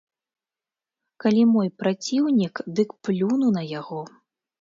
Калі мой праціўнік, дык плюну на яго.